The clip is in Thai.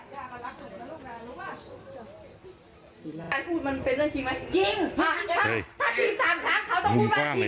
๓คราวผู้ชมภรรยาโดยแทน